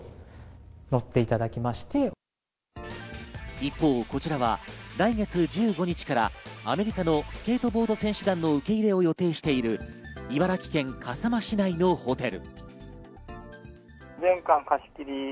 一方、こちらは来月１５日からアメリカのスケートボード選手団の受け入れを予定している茨城県笠間市内のホテル。